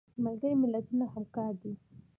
ملګري ملتونه همکار دي